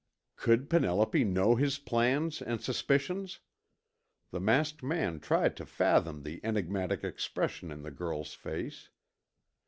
Could Penelope know his plans and suspicions? The masked man tried to fathom the enigmatic expression in the girl's face.